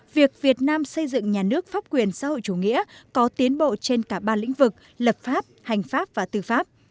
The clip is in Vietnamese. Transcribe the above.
việc việt nam xây dựng nhà nước pháp quyền xã hội chủ nghĩa có tiến bộ trên cả ba lĩnh vực lập pháp hành pháp và tư pháp